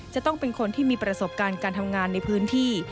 จะต้องเป็นคนที่มีประสบการณ์การทำงานในพื้นที่